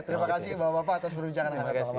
terima kasih bapak bapak atas perbincangan